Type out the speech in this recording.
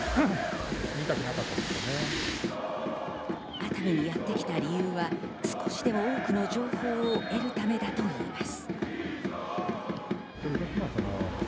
熱海にやってきた理由は少しでも多くの情報を得るためだといいます。